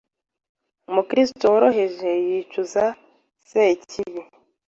Umukristo woroheje yicuza Sekibi